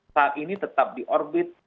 saat ini tetap di orbit